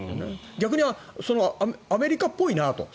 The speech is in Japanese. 逆にアメリカっぽいなと。